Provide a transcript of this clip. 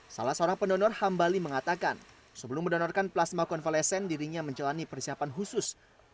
salah seorang pendonor hambali mengatakan sebelum mendonorkan plasma konvalesen dirinya menjalani persiapan khusus